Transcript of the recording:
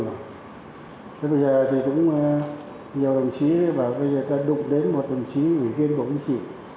rồi bây giờ thì cũng nhiều đồng chí bảo bây giờ ta đụng đến một đồng chí ủy viên bộ yên chỉ